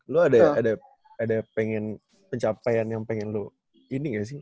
lo ada pengen pencapaian yang pengen lo ini gak sih